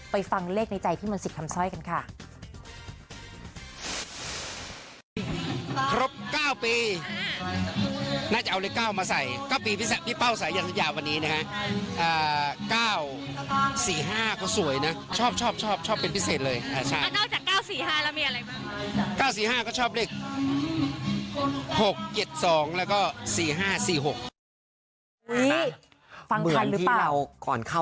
ฟังเลขในใจพี่มนต์สิทธิ์คำสร้อยกันค่ะ